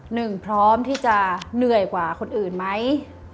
หนึ่งพร้อมที่จะเหนื่อยกว่าคนอื่นไหม